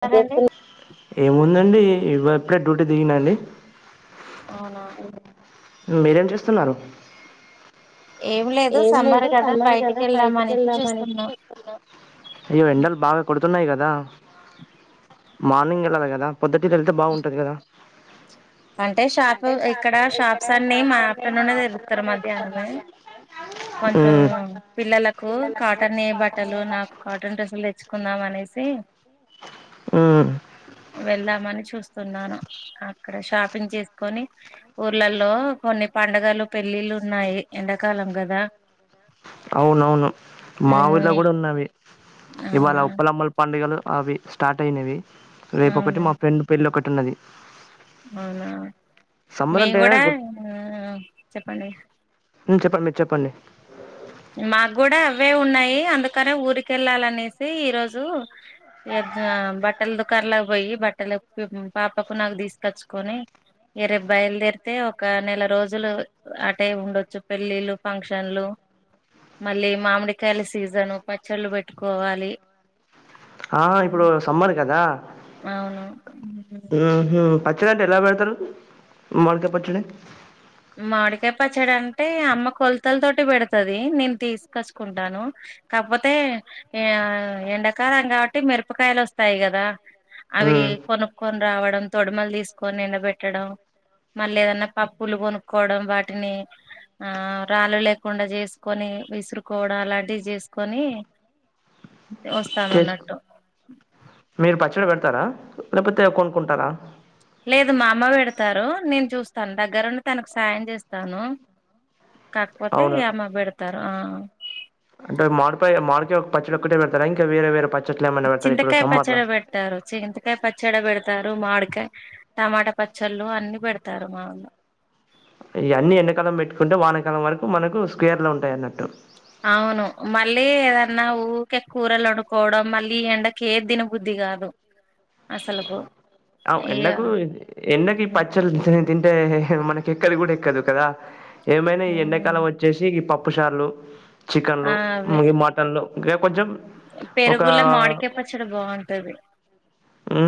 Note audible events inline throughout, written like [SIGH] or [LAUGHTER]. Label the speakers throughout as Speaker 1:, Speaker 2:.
Speaker 1: స్తారండి
Speaker 2: ఏముందండి ఇ ఇప్పుడే డ్యూటీ దిగినండి
Speaker 1: అవునా
Speaker 2: మీరేం చేస్తున్నారు
Speaker 1: ఏం
Speaker 2: ఏమి
Speaker 1: సమ్మర్
Speaker 2: లేదు తమ్మరు కదా
Speaker 1: వెళ్దాం
Speaker 2: బయటికి
Speaker 1: అనేసి
Speaker 2: వెళ్ళామనేసి
Speaker 1: చూస్తున్నాం
Speaker 2: చూస్తున్నా అయ్యో ఎండలు బాగా కొడుతున్నాయి కదా మార్నింగ్ వెళ్ళాలి కదా పొద్దుటి త వెళ్తే బాగుంటది కదా
Speaker 1: అంటే షాప్ ఇక్కడ షాప్స్ అన్ని మా ఆఫ్టర్నూన్ తెరుస్తారు మధ్యాహ్నమే కొంచెం
Speaker 2: మ్మ్
Speaker 1: పిల్లలకు కాటన్ బట్టలు నాకు కాటన్ డ్రెస్సులు తెచ్చుకుందాం అనేది సి
Speaker 2: మ్మ్
Speaker 1: వెళ్దామని చూస్తున్నాను ఇక్కడ షాపింగ్ చేసుకొని ఊర్లలో కొన్ని పండగలు పెళ్ళిళ్ళ ఉన్నాయి ఎండాకాలం కదా
Speaker 2: అవునవును మాఊళ్ళో
Speaker 1: మ్
Speaker 2: కూడా ఉన్నవి ఇవాళ
Speaker 1: అవునా
Speaker 2: ఉప్పల అమ్మల పండుగలు అవి స్టార్ట్ అయినవి రేపుొ కటి
Speaker 1: అవునా
Speaker 2: మా ఫ్రెండ్ పెళ్లి ఒకటి ఉన్నది
Speaker 1: అవునా
Speaker 2: సమ్మర్
Speaker 1: మీేము
Speaker 2: అంటే
Speaker 1: కూడా
Speaker 2: గు
Speaker 1: చెప్పండి
Speaker 2: చెప్పండి మీరు చెప్పండి
Speaker 1: మాకు కూడా అవే ఉన్నాయి అందుకనే ఊరికె వెళ్ళాలనేసి ఈరోోజు బట్టల దుకారలేక పోయి బట్టలు పాపకు నాకు తీసుకొచ్చుకొని ఏ రేపు బయలుదేరితే ఒక నెల రోజులు అ టే ఉండొచ్చు పెళ్ళిళ్ళ ఫంక్షన్లు మళ్ళీ మామిడికాయల సీజను పచ్చళ్ళు పెట్టుకోవాలి
Speaker 2: ఆ ఇప్పుడు సమ్మర్ కదా
Speaker 1: అవును
Speaker 2: వచ్చదంటడి ఎలా పెడతారు మడికె ప వచ్చడి
Speaker 1: మామిడికాయ పచ్చడి అంటే అమ్మ కొలతల తోటి పెడతది నేను తీసుకొచ్చుకుంటాను కాకపోతే ఆ ఎండాకాలమ కాబట్టి మిరపకాయలు వస్తాయి కదా అవి
Speaker 2: మ్మ్
Speaker 1: కొనుకు వడం తొడమలు తీసుక నిబ మదన్నా పప్పు కొ కోవడం వాటిని ఆ రాళ్ళు లేకుండా చేసుకొని విసురుకోవడం అలాంటివి చేసుకని
Speaker 2: చేసుకు
Speaker 1: వస్తామన్నట్టు
Speaker 2: మీరు పచ్చడి పెడతారా లేకపోతే కొనుకుంటారా
Speaker 1: లేదు మా అమ్మ పెడతారు నేను చూస్తాను దగ్గరుండి తనకు సాయం చేస్తాను కాకపోతే
Speaker 2: అవును
Speaker 1: అమ్మ పెడతారు ఆ
Speaker 2: అంటే మామిడిపై మామీడిక ఒక పచ్చడి ఒక్కటే పెతారా ఇకా వేరే పచ్చడ
Speaker 1: చింతకాయ పచ్చడా పెడతారు చింతకాయ పచ్చడి పచ్చడా పెడతారు మాడికాయ టమాటా పచ్చళ్ళు అన్ని పెడతారు మాళ
Speaker 2: ఇ అన్ని ఎండకాలం పెట్టుకుంటే వానకాలం వరకు మనకు స్క్వేర్ లో ఉంటాయి అన్నట్టు
Speaker 1: అవును మళ్ళీ ఏదన్నా ఊకె కూరలు వండుకోవడం మళ్ళీ ఈ ఎండకి ఏ తీనబుద్ది కాదు అసలుకు ఇగ
Speaker 2: ఎండకు ఈ ఎండకు ఈ
Speaker 1: ఉమ్
Speaker 2: పచ్చలు తింటే మనకి ఎక్కడ కూడా ఎక్కదు కదా ఏమైనా ఈ
Speaker 1: ఉమ్,
Speaker 2: ఎండాకాలం వచ్చేసి ఈ పప్పుసార్లు
Speaker 1: ఆ
Speaker 2: చికెన్లు
Speaker 1: అవే
Speaker 2: మ మటన్లు ఇంకా కొంచెం ఒక
Speaker 1: పెరుగుల మామిడి కాయ పచ్చడి బాగుంటది
Speaker 2: ఉ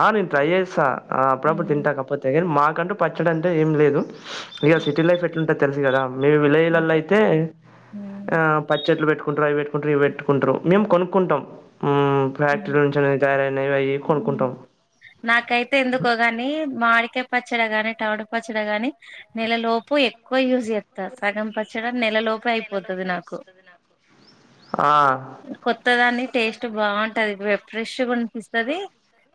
Speaker 2: ఆ నీను ట్రై చేసా అప్పుడప్పుడు
Speaker 1: ఉమ్
Speaker 2: తింటాకపోతే మాకంటూ పచ్చడి అంటే ఏం లేదు ఇక సిటీ లైఫ్ ఎట్లుంటా తెలుసు కదా మీము విలేజిలలో
Speaker 1: అంతే
Speaker 2: అయితే ఆ
Speaker 1: ఉమ్
Speaker 2: పచ్చలు పెట్టుకుటారు అవి పెటు ఇవి పెట్టుకుంటారు మేము కొనుక్కుంటాం
Speaker 1: ఉమ్
Speaker 2: ఫ్యాక్టరీ నుంచి తయారైన
Speaker 1: నాకైతే ఎందుకో గాని మామిడి కాయ పచ్చడి గాని టామట పచ్చడి గాని నెలలోపు ఎక్కువ యూజ్ చేస్తారు సగం పచ్చడి నెలలోపు అయిపోతుంది నాకు
Speaker 2: ఆ!
Speaker 1: కొత్త దాన్ని టేస్ట్ బాగుంటుంది బాగుంటది ఫ్రెష్నిపిస్తుంది
Speaker 2: ఫ్రెష్ వేస్తారు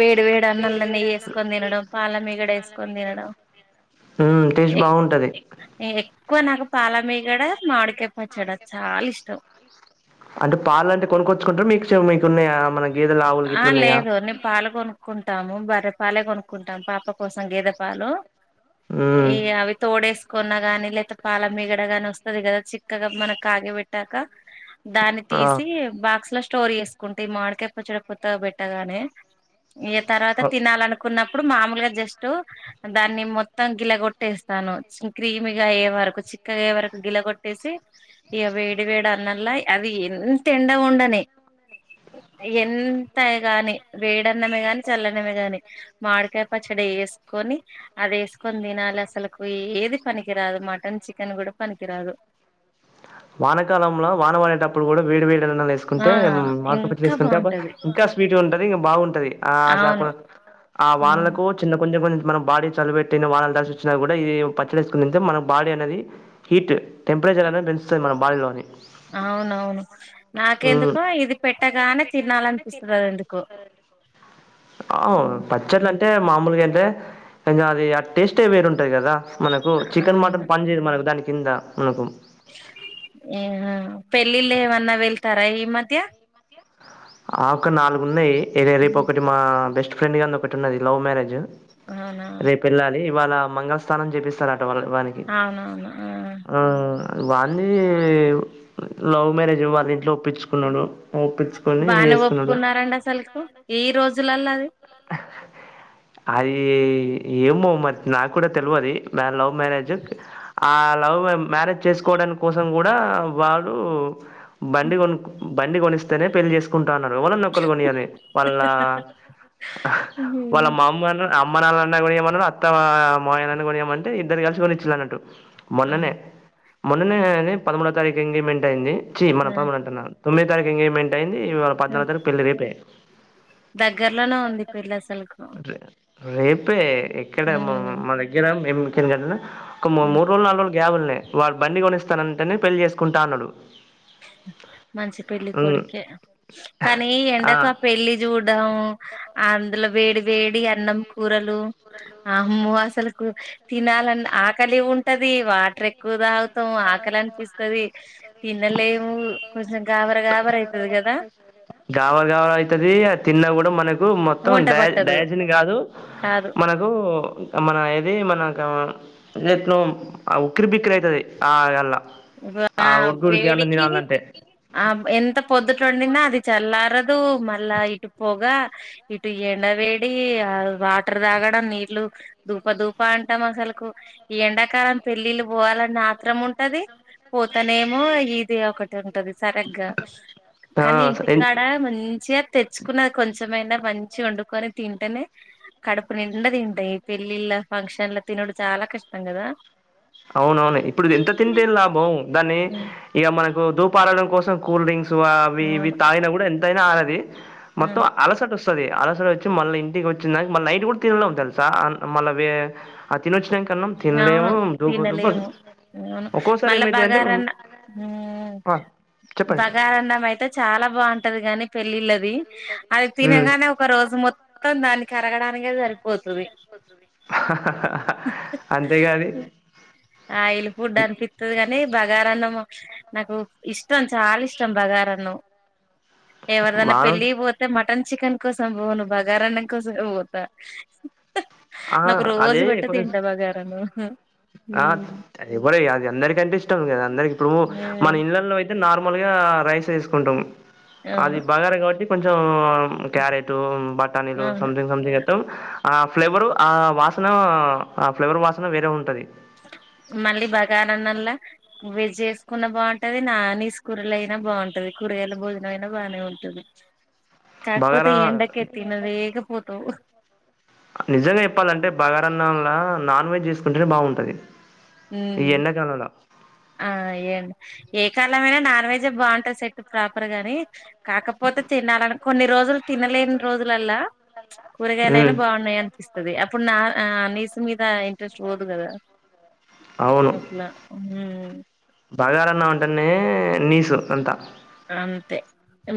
Speaker 1: వేడి వేడు అన్నలు నేయి వేసుకొని తినడం పాలమిగడ వేసుకొని తినడం
Speaker 2: ఉ టేస్ట్
Speaker 1: ఎక్
Speaker 2: బాగుంటది
Speaker 1: ఎక్కువ నాకు పాలమీగడ మామిడికాయ పచ్చడ చాలా ఇష్టం
Speaker 2: అంటే పాల అంటే కొనుక్కొచ్చుకుంటారు మీకు మీకున్నాయా? మన గేదెలు, ఆవులు
Speaker 1: ఆ
Speaker 2: గిట్లున్నాయా?
Speaker 1: లేదు మీము పాలుగొనుక్కుంటాము బరే పాలే కొనుకుంటాం పాప కోసం గేద పాలు
Speaker 2: హ్మ్.
Speaker 1: ఈ అవి తోడేసి కొన్నా గాని లేదా పాల మిగడ గాని వస్తుంది కదా చిక్కగా మన కాగి పెట్టాక దాన్ని
Speaker 2: ఆ!
Speaker 1: తీసి బాక్స్ లో స్టోర్ చేసుకుంటే మాడ పచ్చడ కొత్తగా పెట్టాలని ఈ తర్వాత తినాలనుకున్న ఇప్పుడు మామూలుగా జస్ట్ దాన్ని మొత్తం గిలగొట్టేస్తాను క్రీమిగా అయ్యే వరకు చిక్కగా వరకు గిల కొట్టేసి ఇక వేడి వేడి అన్నల్లా అది ఎంత ఎండ ఉండనే ఉ ఎంత గాని వేడన్నమే గాని చల్లనమే గాని మాడికాయ పచ్చడి వేసుకొని అది వేసుకొని తినాలి అసలుకు ఏది పనికిరాదు మటన్ చికెన్ కూడా పనికిరాదు
Speaker 2: వానకాలంలో వానం అడేటప్పుడు కూడా వేడి వేడి
Speaker 1: ఆ
Speaker 2: వేసుకుంటే మామిడికాయ
Speaker 1: ఇంకా
Speaker 2: వేసుకుంటే
Speaker 1: బాగుంటది
Speaker 2: ఇంకా స్వీట్ ఉంటది ఇంకా బాగుంటది ఆ
Speaker 1: అవును
Speaker 2: ఆ
Speaker 1: ఉమ్
Speaker 2: వానలకు చిన్న కొంచెం కొంచెం మన బాడీ చలి పెట్టిన వాన తడీసి వచ్చినా కూడా ఇది పచ్చడిసుకు మన బాడీ అనేది హీట్ టెంపరే టెంపరేచర్ అనే పెంచుస్తుంది మన బాలోని
Speaker 1: అవునవును నాకెందుకో ఇది పెట్టగానే తినాల అనిపిస్తుది ఎందుకో
Speaker 2: అవును పచ్చట్ల అంటే మామూలుగా అంట కొంచెం అది ఆ టేస్ట్ రే వేరుంటది కదా మనకు చికెన్ మటన్
Speaker 1: అవును
Speaker 2: పని చేది మనకు దానికి కింద ఉండాకు
Speaker 1: ఏహ పెళ్ళిళ్ళ ఏమన్నా వెళ్తారా ఈ మధ్య
Speaker 2: ఆక్క నాలుగు ఉన్నాయి రేపు ఒకటి మా బెస్ట్ ఫ్రెండ్ ని ఒకటి ఉన్నది లవ్ మ్యారేజ్
Speaker 1: అవునా
Speaker 2: రేపు వెళ్ళాలి ఇవాళ మంగళ స్థానం చేపిస్తారు ఇవాళ వానికి ఆ పెళ్లి వాళ్లే లవ్ మ్యారేజ్ వాళ్ళ ఇంట్లో ఒప్పిచుకున్నాడు ఒ
Speaker 1: బానే ఒప్పుకున్నారంండి అసలుకు ఈ రోజులలో అది
Speaker 2: అది ఏమో మరి నాకూడా తెలువది వాన్ లవ్ మ్యారేజ్ ఆ లవ్ మ్యారేజ్ చేసుకోవడాని కోసం కూడా వాడు బండి కొనుక్ బండి కొనిస్తేనే పెళ్లి చేసుకుంటా అన్నాడు ఎవళ్ళన్నా ఒక్కళ్ళు కొనియాలి వాళ్ళ వాళ్ళ
Speaker 1: హ్మ్.
Speaker 2: మామ్మ అన్న అమ్మ నాన్నాలన్న కొనియమన్నాడు అత్త మామయ్య నన్న కొనియామంటే ఇద్దరు కలిసి కొనిచ్చాల అన్నట్టు మొన్ననే
Speaker 1: అవును.
Speaker 2: మొన్ననే పదమూడో తారీఖు ఎంగేజ్మెంట్ అయింది చీ మన
Speaker 1: ఆ
Speaker 2: పదమూడు అంటున్నాను తొమ్మిది తారీఖు ఎంగేజ్మెంట్ అయింది ఇవాళ
Speaker 1: ఆ!
Speaker 2: పద్నాలుగు తారీఖు పెళ్ళి రేపే
Speaker 1: ఆ అంది పెళ్లి అసలుకు
Speaker 2: రేపే ఎక్కడ మ
Speaker 1: హ్మ్.
Speaker 2: మా దగ్గర మేం కింగడ్ల ఒక ము
Speaker 1: హ్మ్.
Speaker 2: మూడు రోజులు నాలుగు రోజు గ్యాబుల్నే వాడు బండి కొనిస్తానంటేనే పెళ్లి చేసుకుంటా అన్నాడు
Speaker 1: మంచి పెళ్ళి కొడుకే కానీ ఎండక
Speaker 2: కానీ
Speaker 1: పెళ్ళి చూ డం అందులో వేడి వేడి అన్నం కూరలు అమ్మో అసలు కు తినాలన ఆకలి ఉంటది వాటర్ ఎక్కువ తా
Speaker 2: ఎక్కువ తాగుతాం ఆకలనిపిస్తాది
Speaker 1: తినలేము. కొంచెం గాబర గాబర అయితది గదా!
Speaker 2: గాబరి గాబరి అయితది అది తి న్న కూడా మనకు మొత్తం
Speaker 1: వంట
Speaker 2: డ
Speaker 1: పట్టదు.
Speaker 2: డయాజిన్ కాదు
Speaker 1: కాదు
Speaker 2: మనకు మన ఏది మనకు నేట్నోం అ ఉక్కిరి బిక్కిరి అయితది ఆ యల్లా
Speaker 1: వ
Speaker 2: ఆ ఉడుకు ఉడుకి అన్న
Speaker 1: వేడికి
Speaker 2: తినాలంటే
Speaker 1: ఆ ఎంత పొద్దుట వొండినా అది చల్లారదు మళ్ళా ఇటు పొగ ఇటు ఎండవేడి ఆ వాటర్ తాగడం నీళ్లు దూప దూ ప్ అంటాం అసలుకు ఈ ఎండాకాలం పెళ్ళిళ్లు పోవాలన ఆత్రం ఉం పోతానేేమో ఇది అ ఒక తుంటది సరిగ్గా
Speaker 2: ఆ
Speaker 1: కానీ
Speaker 2: సైన్
Speaker 1: ఇంటికాడ మంచిగా తెచ్చుకున్నది కొం చెం అయిన మంచిగా వండుకొని తింటేనే కడుపు నిండా తింటా ఈ పెళ్లిళ్ళ ఫంక్షన్లో తి నుడు చాలా కష్టం కదా
Speaker 2: అవునవును ఇప్పుడు ఎంత తింటే ఎం లాభం దాన్ని
Speaker 1: ఉమ్
Speaker 2: ఇగ మన దూపారడం కోసం కూల్డ్రింక్స్ సో అవి ఇవి
Speaker 1: అవును
Speaker 2: తాగిన కూడా ఎంతైనా ఆగది మొత్తం
Speaker 1: అవును
Speaker 2: అలసట వ స్తది అలసట వచ్చి మళ్ళి ఇంటికి వచ్చినక మళ్ళ నైట్ కూడా తినెలేం తెలుసా అ మళ్ళవే ఆ తినొచ్చినం కన్నం
Speaker 1: అవును
Speaker 2: తిన్లేము
Speaker 1: తినలేము అవును మల్లా
Speaker 2: ఏమైతదంటే
Speaker 1: బగారన్న ఉహ్మ్
Speaker 2: చెప్పండి
Speaker 1: బగారన్నం అయితే చాలా బాగుంటది గాని పెళ్ళిళ్ళ ది అది తినగానే ఒక రోజు మొత్తం దానికి అరగడానికే సరిపోతది
Speaker 2: అంతేగా అది
Speaker 1: ఆయిల్ పుడ్డు అనిపిత్తది కానీ బగారా అన్నము నాకు ఇష్టం చాలా ఇష్టం బగార అన్నం ఏవర్దన్న
Speaker 2: మాను
Speaker 1: పెళ్లికి పోతే మటన్ చికెన్ కోసం పోను బగారన్నం కోసమే పోతా
Speaker 2: ఆ
Speaker 1: నాకు రోజు
Speaker 2: అదే
Speaker 1: పెట్టు
Speaker 2: కొంచెం
Speaker 1: తింటా బాగారన్నం
Speaker 2: ఆ అది ఎవరి అది అందరికి అంటే ఇష్టం కదా అందరికి తుము మన ఇండ్లల్లో అయితే నార్మల్‌గా రైసే ఏసుకుంటాం అది
Speaker 1: అవును
Speaker 2: బగార కాబట్టి కొంచెం మ్మ్ క్యారెటు బఠాణీలు
Speaker 1: అవును
Speaker 2: సంథింగ్ సంథింగ్ ఎత్తాం ఆ ఫ్లేవరు ఆ వాసన ఆ ఫ్లేవర్ వాసన వేరే ఉంటది
Speaker 1: మళ్ళీ బగారన్నంలా వెజ్ వేసుకున్నా బాగుంటది నా నీసు కూరలు అయినా బాగుంటది కూరగాయల భోజనం అయినా బానే ఉంటది కాక్పోతే
Speaker 2: బగారా
Speaker 1: ఎండకే తినలేక పోతవ్
Speaker 2: నిజంగా చెప్పాలంటే బగార అన్నంలా నాన్ వెజ్ చేసుకుంటేనే బాగుంటది ఈ
Speaker 1: ఉమ్,
Speaker 2: ఎండా కాలంలో
Speaker 1: ఆ ఏండి ఏ కాలమైనా నాన్ వెజ్ ఏ బాగుంటది సెట్ ప్రాపర్ గాని కాకపోతే తినాలని కొన్ని రోజులు తినలేని రోజులల్లా కూరగాయలు అయినా
Speaker 2: ఉమ్
Speaker 1: బాగున్నాయి అనిపిస్తుంది అప్పుడు నా ఆ నీస్ మీద ఇంట్రెస్ట్ పోదు కదా అట్లా ఊ
Speaker 2: బగార అన్నం అంటేనే నీసు అంతా
Speaker 1: అంతే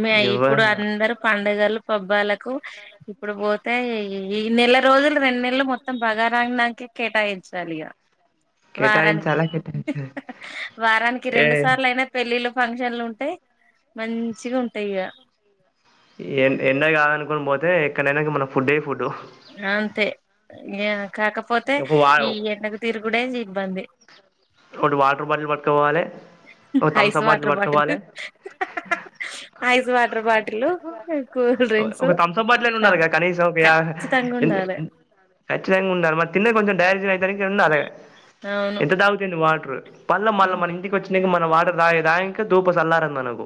Speaker 1: మీ ఇప్పుడు
Speaker 2: ఎవరన్నా
Speaker 1: అందరు పండగలు పబ్బాలకు ఇప్పుడు పోతే ఈ నెల రోజులు రెండు నెలలు మొత్తం బగర నాక్ నాకే కేటాయించాలిగా వారానికి
Speaker 2: కేటాయించాలా కేటాయించాలా
Speaker 1: వారానికి
Speaker 2: ఏ
Speaker 1: రెండు సార్లు అయినా పెళ్ళిళ్ళు ఫంక్షన్లు ఉంటాయి మంచిగా ఉంటాయి ఇగ
Speaker 2: ఎ ఎండ కాదనుకొని పోతే ఎక్కడైనా మన ఫుడ్డే ఫుడ్డు
Speaker 1: అంతే ఇ కాకపోతే
Speaker 2: ఒక వా
Speaker 1: ఈ ఎండకు తిరుగుడే ఇబ్బంది
Speaker 2: ఒకటి వాటర్ బాటిల్ పట్టుకోపోవాలే ఓ Thums
Speaker 1: ice
Speaker 2: up bottle
Speaker 1: water
Speaker 2: పట్టుకుపోవాలే
Speaker 1: ice water bottle cool drinks
Speaker 2: ఒక తమ్స్ అప్ బాటిల్
Speaker 1: ఆ
Speaker 2: ఉండాలి గా కనీసం ఒక క్యా
Speaker 1: ఖచ్చితంగా
Speaker 2: యందు
Speaker 1: ఉండాలి
Speaker 2: ఏ ఖచ్చితంగా ఉండాలి మరి తిన్న కొంచెం డైజేషన్ అయితే ఉండాలి
Speaker 1: అవును
Speaker 2: వాటర్ పళ్ల మళ్ళ మన ఇంటికి వచ్చినాక మన వాటర్ దాగే దాంక దూప చల్లార దు మనకు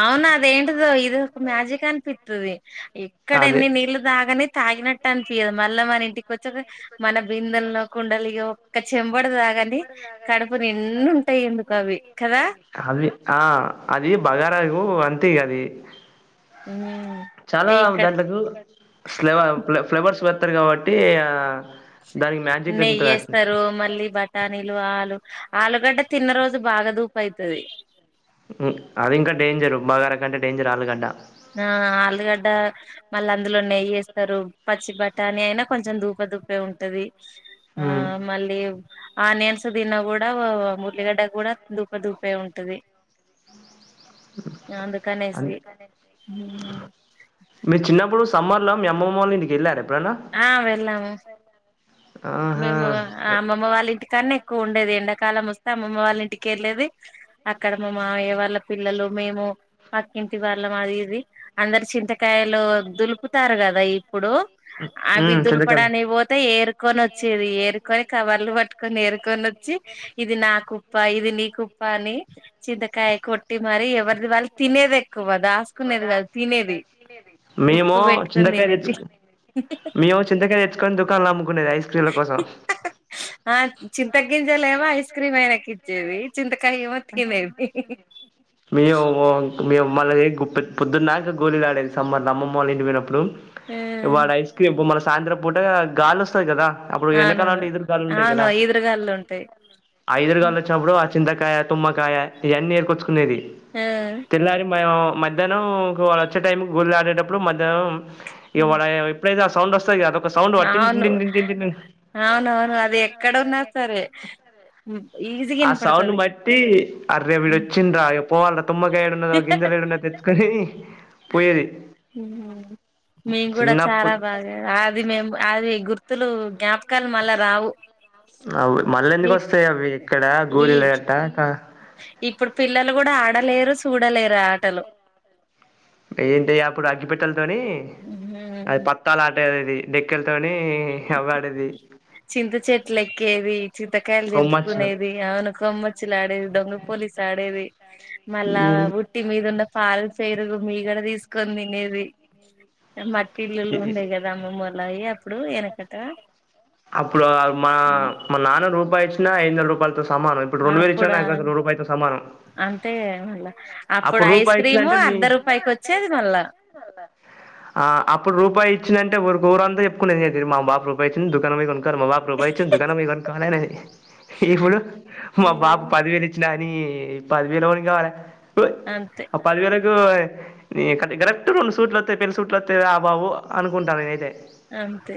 Speaker 1: అవును అదేంటుదొ ఇది ఒక మ్యూజిక్ అన్పిత్తుది ఇక్కడ
Speaker 2: అదే
Speaker 1: ఎన్ని నీళ్లు తాగని తాగినట్టు అనిపియ్యదు మళ్ళా మన ఇంటికి వచ్చేది మన బిందుల్లో కుండ లిగో ఇక్క చెంబుడు తాగ అండి కడుపు నిండు ఉంటయి ఎందుకో అవి కదా
Speaker 2: అవి ఆ అది బగార ఆకు అంతే ఇగా అది
Speaker 1: ఉమ్
Speaker 2: చాలా
Speaker 1: ఏ ఇక్కడ
Speaker 2: దాంట్లకు స్లవ ఫ్లేవర్స్ స్తరు కాబట్టి ఆ దానికి మ్యాజిక్
Speaker 1: నెయ్యి
Speaker 2: ఉంటది అట్నే
Speaker 1: ఏస్తరు పల్లి బఠాణీలు ఆలు ఆలుగడ్డ తిన్న రోజు బాగా దూపు అయితది
Speaker 2: ఉ అది ఇంకా డేంజర్ బగార కంటే డేంజర్ ఆలుగడ్డ
Speaker 1: ఆ ఆలుగడ్డ మళ్ళీ అందులో నెయ్యి ఏస్తరు పచ్చి బఠాణీ అని అయినా కొంచెం దూప దూపే ఉంటది ఆ మళ్ళీ ఆనియన్స్ తిిన కూడా మురలిగడ్డ కూడా దూప దూపే ఉంటది నందు కనేసి ఉహు
Speaker 2: ఇప్పుడు సమ్మర్ లో మీ అమ్మమ్ల్నింటికెళ్ళారు
Speaker 1: ఆ వెళ్ళాము
Speaker 2: ఆహా
Speaker 1: మేము అ మమ్మ వాళ్ళ ఇంటికి కాన్నా ఎక్కువ ఉండేది ఎండాకాలం వస్తే అమ్మమ్మ వాళ్ళ ఇంటికి వెళ్ళది అక్కడ మా మామయ వాళ్ళ పిల్లలు మేము పక్కింటి వాళ్ళం అది ఇది అందరు చింతకాయలో దులుపుతారు కదా ఈ ఇప్పుడు ఆ
Speaker 2: ఉమ్
Speaker 1: విధలు
Speaker 2: చంద్రకళ
Speaker 1: పడానికి పోతే ఏరుకొని వచ్చ చేది ఏరుకొని కవర్లు పట్టుకొని ఏరుకొన్ చి ఇది నా కుప్ప ఇది నీ కుప్ప అని చింతకాయ కొట్టి మరి ఎవరి కాదు తినేది
Speaker 2: మేము
Speaker 1: ఉప్పు పెట్టుకొని
Speaker 2: చింతకాయ
Speaker 1: తినేది
Speaker 2: తెచ్చుకు మేము చింతకాయ ఎచ్చక్కని దుకాణలో ఆముకునే ఐస్క్రీమ్లో
Speaker 1: ఆ చింతగ్గించాలమో ఐస్ క్రీమ్ అయినకి ఇచ్చేది చింత
Speaker 2: చింతకాయలేమో తీసుకుపోయేది మేము ఓ మల్ల పోయి గుప్ పొద్దున్నాక గోళీలు ఆడేది సమ్మర్ అమ్మమ్మ వాళ్ల ఇంటికి పోయినప్పుడు
Speaker 1: ఆ!
Speaker 2: వాడు ఐస్ క్రీమ్ బొమ్మల సాయంత్రం పూట గాలి వస్తంది కదా అప్పుడు
Speaker 1: అవునవును
Speaker 2: ఎనకలులాంటి ఈదురు గాలిలు ఉంటాయి
Speaker 1: అవును
Speaker 2: కదా ఆ
Speaker 1: ఈదురుగాళ్ళు
Speaker 2: ఈదురు గాలులు ఉంటాయి ఆ ఇదురుగాలు వచ్చినప్పుడు చింతకాయ తుమ్మకాయ ఇవన్నీ ఏర్కొచ్చుకునేది
Speaker 1: ఆ
Speaker 2: తెల్లారి మేము మధ్యాహ్నం ఇంక వాడు వచ్చే టైం కి గోళీలు ఆడేటప్పుడు మధ్యాహ్నం ఇంక
Speaker 1: హ్మ్.
Speaker 2: వాడు ఎప్పుడైతే వస్తడో సౌండ్ వస్తదిగా
Speaker 1: అవును అవునవును అది ఎక్కడ ఉన్నా సరే ఈజీగా
Speaker 2: ఆ సౌండ్ని
Speaker 1: వినపడుతది
Speaker 2: బట్టి అరేవిడొచ్చిండ్ర ఇగ పోవాల్రా తమ్మకాయాడున్నదో గింజలు యాడున్నయ్యో తెచ్చుకొని పోయేది
Speaker 1: ఉ మేం కూడా చాలా
Speaker 2: చిన్నప్పుడు
Speaker 1: బాగా అది మేము అది గుర్తులు జ్ఞాపకాలు మళ్ల రావు
Speaker 2: అవ్ మళ్ళ ఎందుకు
Speaker 1: ఇప్
Speaker 2: వస్తాయి అవి ఇక్కడ
Speaker 1: ఈ
Speaker 2: గోళీల ఆట
Speaker 1: ఇప్పుడు పిల్లలు కూడా ఆడలేరు చూడలేరు ఆటలు
Speaker 2: ఏంటియ అప్పుడు అగ్గిపెట్టలతోని అది
Speaker 1: హ్మ్.
Speaker 2: పత్తాల ఆ అేదిది డెక్కెలతోని అవ్వాడేది
Speaker 1: చింత చెట్లు ఎక్కేది చింతకాయలు
Speaker 2: కొమ్మచ్చులు
Speaker 1: దెంపుకునేది అవును కొమ్మచ్చిలాడి ఆడేది దొంగ పోలిసాడేది మళ్ళా ఉట్టి మీద ఉన్న పాలు పెరుగు మీగడ తీసుకొని కొని తినేది మట్టి ఇల్లులు ఉండేయి కదా అమ్మమ్మ వాళ్ళకి [INAUDIBLE]
Speaker 2: అప్పుడు మా మా నాన్న రూపాయిచ్చిన ఐదొందల రూపాయలు సమానం ఇప్పుడు రెండు వేలు ఇచ్చిన నాకు అసలు రూపాయితో సమానం
Speaker 1: అంతే కద మళ్ళా అప్పుడు ఐస్
Speaker 2: రూపాయి
Speaker 1: క్రీము
Speaker 2: ఇచ్చినంటే నీ
Speaker 1: అర్ధ రూపాయికి వచ్చేది మళ్ళా
Speaker 2: ఆ అప్పుడు రూపాయిచ్చింద అంటే ఒకరు ఉరంతా చెప్పుకునేది అ మా బాబు రూపాయి ఇచ్చిండు దుకాణం బొయి కొనుకు మా బాబు రూపాయి ఇచ్చిండు దుకాణం పొయి కొనుక్కొవాలనే ది ఇప్పుడు మా బాబు పదివేలిచ్చిన నీ పదివేలు ఎవరికీ కావాలి
Speaker 1: అంతే
Speaker 2: ఆ పదివేలకు కరెక్ట్గ రెండు సూట్లు వస్తయి పెళ్లి సూట్లస్తయి రా బాబు అనుకుంటా నేనయితే
Speaker 1: అంతే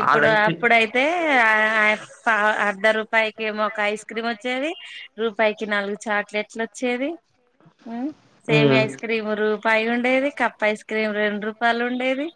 Speaker 1: ఇప్పుడు అప్పుడైతే ఆ అర్ధ రూపాయి రూపాయికి ఒక ఐస్ క్రీమ్ వచ్చేది రూపాయికి నాలుగు చాక్లెట్లు వచ్చేది సేమియా
Speaker 2: ఉమ్
Speaker 1: ఐస్ క్రీమ్ రూపాయి ఉండేది కప్ ఐస్ క్రీం క్రీమ్ రెండు రూపాయలు ఉండేది